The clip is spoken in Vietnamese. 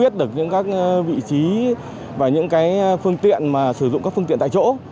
trong các vị trí và những phương tiện sử dụng các phương tiện tại chỗ